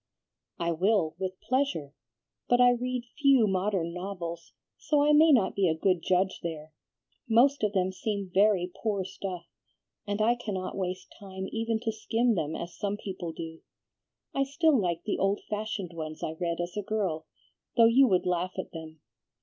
"I will, with pleasure; but I read few modern novels, so I may not be a good judge there. Most of them seem very poor stuff, and I cannot waste time even to skim them as some people do. I still like the old fashioned ones I read as a girl, though you would laugh at them.